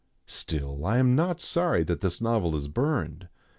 Still, I am not sorry that this novel is burned.